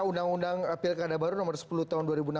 undang undang pilkada baru nomor sepuluh tahun